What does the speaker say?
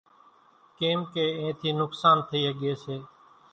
ڪيمڪي اِين ٿي نقصان ٿئي ۿڳي سي۔